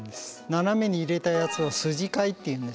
斜めに入れたやつを筋交いっていうんですね。